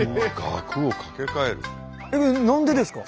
えっ何でですか？